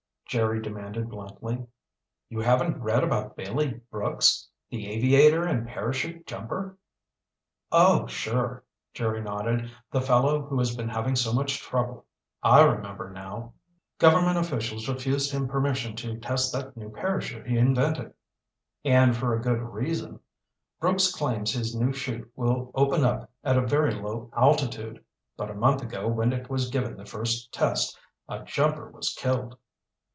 Jerry demanded bluntly. "You haven't read about Bailey Brooks, the aviator and parachute jumper?" "Oh, sure," Jerry nodded, "the fellow who has been having so much trouble. I remember now. Government officials refused him permission to test that new parachute he invented." "And for a good reason. Brooks claims his new 'chute will open up at a very low altitude. But a month ago when it was given the first test, a jumper was killed."